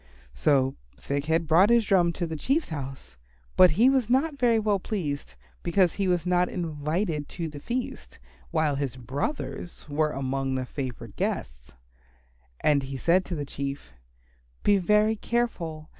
So Thick head brought his drum to the Chief's house, but he was not very well pleased, because he was not invited to the feast, while his brothers were among the favoured guests. And he said to the Chief, "Be very careful.